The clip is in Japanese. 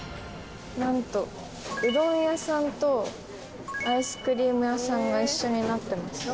なんとうどん屋さんとアイスクリーム屋さんが一緒になってます。